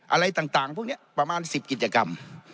อะไรต่างพวกนี้ประมาณ๑๐กิจกรรม